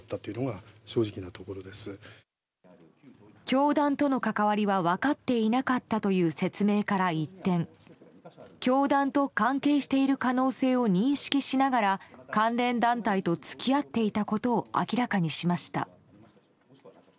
教団との関わりは分かっていなかったという説明から一転教団と関係している可能性を認識しながら関連団体と付き合っていたことを明らかにしました。